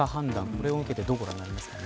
これを受けてどうご覧になりますか。